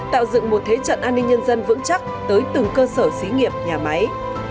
tạo dựng một thế trận an ninh nhân dân vững chắc tới từng cơ sở xí nghiệp nhà máy